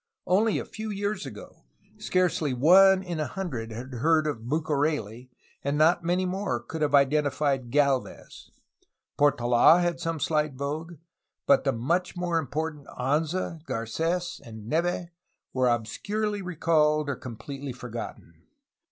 Only a few years ago scarcely one in a hundred had heard of Bucareli, and not many more could have identified Galvez. Portola had some slight vogue, but the much more important Anza, Garces, and Neve were obscurely recalled or completely forgotten.